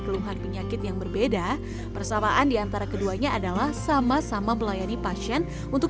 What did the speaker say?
keluhan penyakit yang berbeda persamaan diantara keduanya adalah sama sama melayani pasien untuk